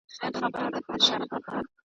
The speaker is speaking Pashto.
ما د خضر پر چینه لیدلي مړي .